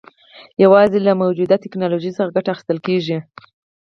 یوازې له موجوده ټکنالوژۍ څخه ګټه اخیستل کېږي.